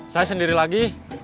saya sendiri lagi